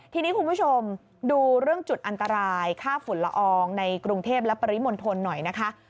ทีนี้คุณผู้ชมดูเรื่องจุดอันตรายค่าฝุ่นละอองในกรุงเทพและปริมณฑลหน่อยนะคะ